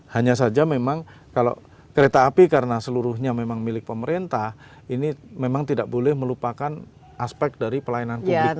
hanya saja memang kalau kereta api karena seluruhnya memang milik pemerintah ini memang tidak boleh melupakan aspek dari pelayanan publik